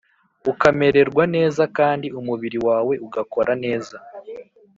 ukamererwa neza kandi umubiri wawe ugakora neza